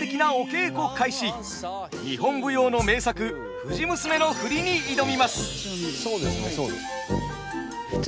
日本舞踊の名作「藤娘」の振りに挑みます。